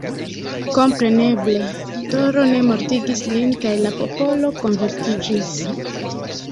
Kompreneble Toro ne mortigis lin, kaj la popolo konvertiĝis.